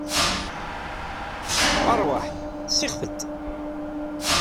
Ṛwaḥ, sixef-d.